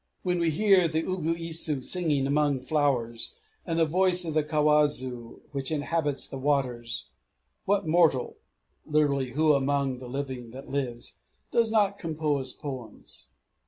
When we hear the uguisu singing among flowers, and the voice of the kawazu which inhabits the waters, what mortal [lit.: 'who among the living that lives'] does not compose poems?"